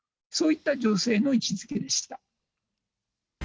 そういった女性の位置づけでした。